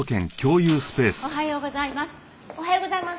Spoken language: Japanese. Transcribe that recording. おはようございます。